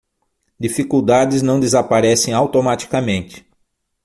Dificuldades não desaparecem automaticamente